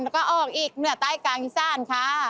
แล้วก็ออกอีกเหนือใต้กลางอีสานค่ะ